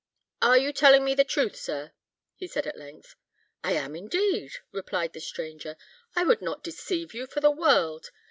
"Are you telling me the truth, sir?" he said at length. "I am, indeed," replied the stranger; "I would not deceive you for the world.